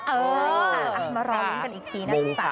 เออมารอมันกันอีกทีนะคุณผู้ชม